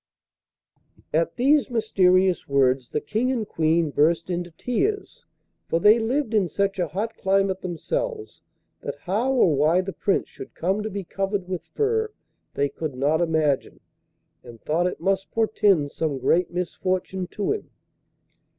At these mysterious words the King and Queen burst into tears, for they lived in such a hot climate themselves that how or why the Prince should come to be covered with fur they could not imagine, and thought it must portend some great misfortune to him.